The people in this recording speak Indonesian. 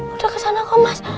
udah kesana kok mas